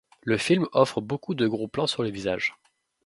Le film offre beaucoup de gros plans sur les visages.